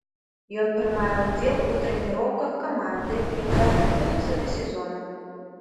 Ён прымае ўдзел у трэніроўках каманды, якая рыхтуецца да сезону.